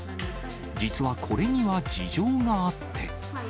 実はこれには事情があって。